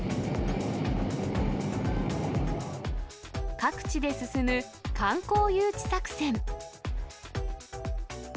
各地で進む観光誘致作戦。